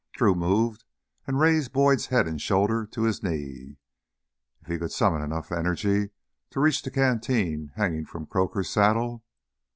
Drew moved, and raised Boyd's head and shoulders to his knee. If he could summon enough energy to reach the canteen hanging from Croaker's saddle....